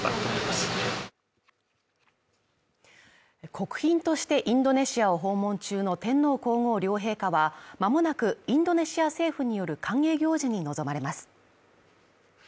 国賓としてインドネシアを訪問中の天皇皇后両陛下はまもなくインドネシア政府による歓迎行事に臨まれます。